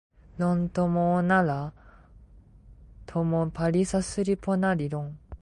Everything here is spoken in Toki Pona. lon tomo ona la, tomo palisa suli pona li lon.